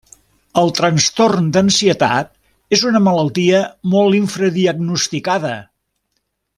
El trastorn d'ansietat és una malaltia molt infradiagnosticada.